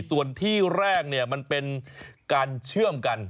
ส่วนที่แรกมันเป็นการเชื่อมกัน